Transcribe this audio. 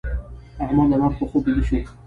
احمد د مرګ په خوب بيده شو.